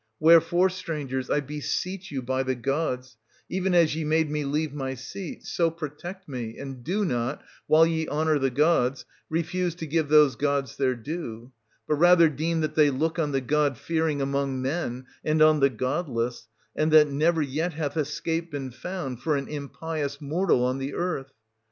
71 Wherefore, strangers, I beseech you by the gods, even as ye made me leave my seat, so protect me, and do not, while ye honour the gods, refuse to give those gods their due ; but rather deem that they look on the god fearing among men, and on the godless, and that 280 never yet hath escape been found for an impious mortal on the earth.